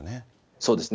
そうですね。